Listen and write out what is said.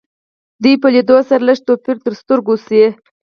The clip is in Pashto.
د دوی په لیدو سره لږ توپیر تر سترګو شي